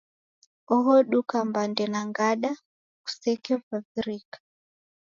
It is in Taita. Oho duka mbande na gada kusekevavirika.